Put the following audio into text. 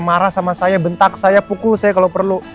marah sama saya bentak saya pukul saya kalau perlu